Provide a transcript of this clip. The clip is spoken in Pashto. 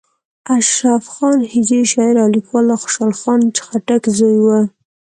اشرف خان هجري شاعر او لیکوال د خوشحال خان خټک زوی و.